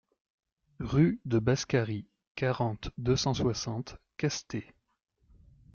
Rue de Bascarry, quarante, deux cent soixante Castets